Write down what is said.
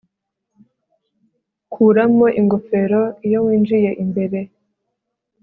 Kuramo ingofero iyo winjiye imbere